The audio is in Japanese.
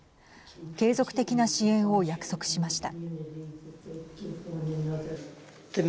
継続的な支援を約束しました。